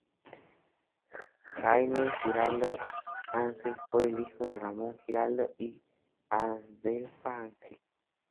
Jaime Giraldo Ángel fue hijo de Ramón Giraldo y Adelfa Ángel.